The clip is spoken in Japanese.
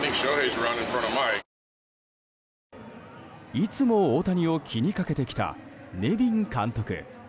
いつも大谷を気にかけてきたネビン監督。